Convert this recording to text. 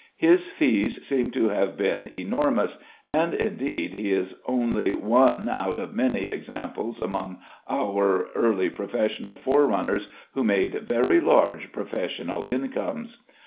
His fees seem to have been enormous, and, indeed, he is only one out of many examples among our early professional forerunners who made very large professional incomes.